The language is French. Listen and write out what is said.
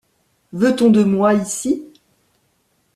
Veut-on de moi ici?